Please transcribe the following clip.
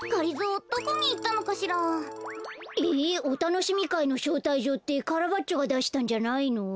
おたのしみかいのしょうたいじょうってカラバッチョがだしたんじゃないの？